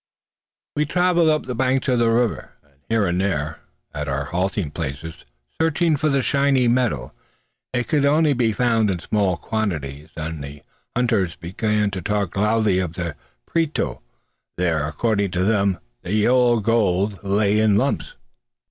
We travelled up the banks of the river, and here and there, at our halting places, searching for the shining metal. It could be found only in small quantities, and the hunters began to talk loudly of the Prieto. There, according to them, the yellow gold lay in lumps.